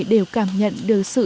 đều cảm nhận được sự